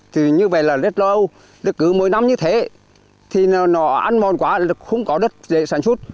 thì như vậy là rất lo âu cứ mỗi năm như thế thì nó ăn mòn quá là không có đất để sản xuất